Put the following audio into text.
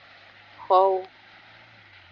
Xowo.